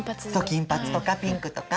金髪とかピンクとか。